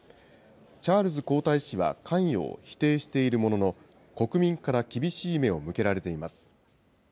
チャールズ皇太子は関与を否定しているものの、国民から厳しい目を向けられています。